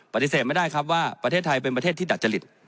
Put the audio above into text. ปฏิเสธไม่ได้ครับว่าประเทศไทยเป็นประเทศที่ดัดจริต